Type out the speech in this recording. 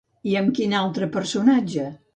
I amb quin altre personatge?